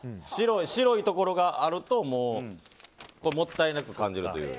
白いところがあるともうもったいなく感じるという。